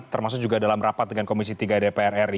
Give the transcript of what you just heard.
termasuk juga dalam rapat dengan komisi tiga dpr ri